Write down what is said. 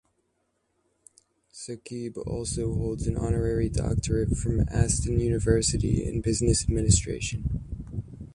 Saqib also holds an honorary doctorate from Aston University in Business Administration.